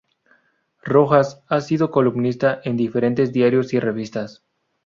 Rojas ha sido columnista en diferentes diarios y revistas.